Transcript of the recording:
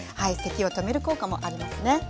せきを止める効果もありますね。